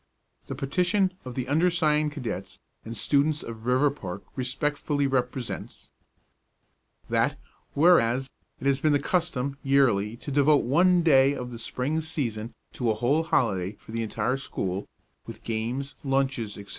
The petition of the undersigned cadets and students of Riverpark respectfully represents: That, whereas it has been the custom yearly to devote one day of the spring season to a whole holiday for the entire school, with games, lunches, etc.